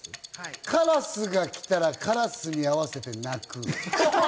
カラスが来たらカラスに合わせて鳴く。